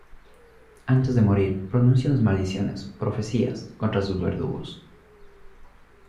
Antes de morir pronuncia unas maldiciones "profecías" contra sus verdugos.